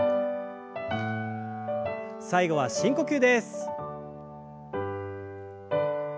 最後は深呼吸です。